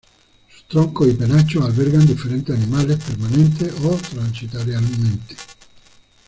Sus troncos y penachos albergan diferentes animales permanente o transitoriamente.